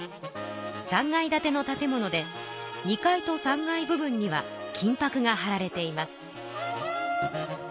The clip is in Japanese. ３階建ての建物で２階と３階部分には金ぱくがはられています。